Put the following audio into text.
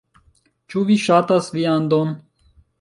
Ĉu vi ŝatas viandon?